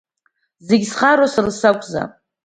Зегьы зхароу сара сакәзаап…